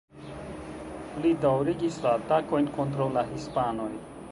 Li daŭrigis la atakojn kontraŭ la hispanoj.